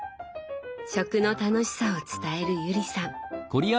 食の楽しさを伝える友里さん。